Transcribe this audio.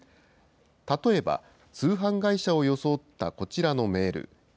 例えば、通販会社を装ったこちらのメール。